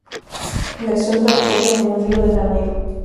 La acción transcurre en Río de Janeiro.